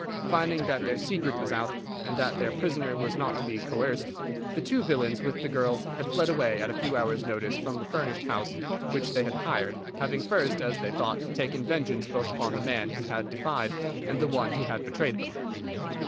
Finding that their secret was out, and that their prisoner was not to be coerced, the two villains with the girl had fled away at a few hours' notice from the furnished house which they had hired, having first, as they thought, taken vengeance both upon the man who had defied and the one who had betrayed them.